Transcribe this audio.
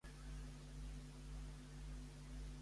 Certament es realitzen documentals, i no és indigne d'elogi.